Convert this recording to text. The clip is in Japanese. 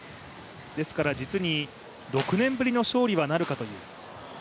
ですから６年ぶりの勝利になるかという。